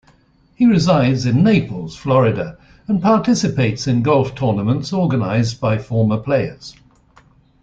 He resides in Naples, Florida, and participates in golf tournaments organized by former players.